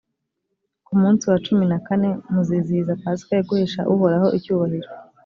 ku munsi wa cumi na kane muzizihiza pasika yo guhesha uhoraho icyubahiro.